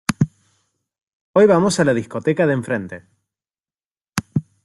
Hoy vamos a la discoteca de enfrente.